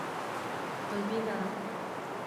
去邊啊？